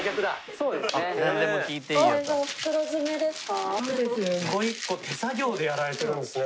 一個一個手作業でやられてるんですね